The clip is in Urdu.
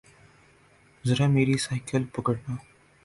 ذرامیری سائیکل پکڑنا